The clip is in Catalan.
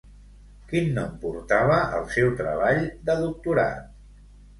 Quin nom portava el seu treball de doctorat?